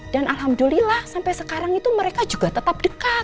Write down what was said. dan alhamdulillah sampai sekarang itu mereka juga tetap deket